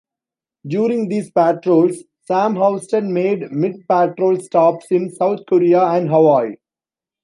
During these patrols Sam Houston made mid-patrol stops in South Korea and Hawaii.